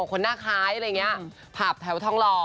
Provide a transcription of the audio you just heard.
คนหน้าคล้ายอะไรอย่างนี้ผับแถวทองหล่อ